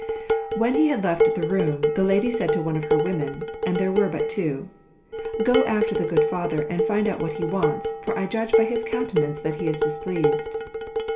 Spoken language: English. When he had left the room, the lady said to one of her women (and there were but two) "Go after the good father and find out what he wants, for I judge by his countenance that he is displeased."